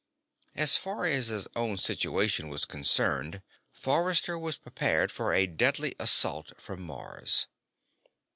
As far as his own situation was concerned, Forrester was prepared for a deadly assault from Mars.